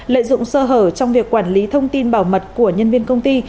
lợi dụng sơ hở trong việc quản lý thông tin bảo mật của nhân viên công ty